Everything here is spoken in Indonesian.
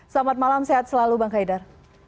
selamat malam sehat selalu bang haidar